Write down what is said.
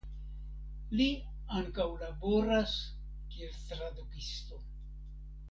Li ankaŭ laboras kiel tradukisto.